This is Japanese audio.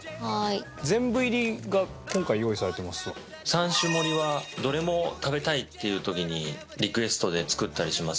３種盛りはどれも食べたいっていう時にリクエストで作ったりしますね。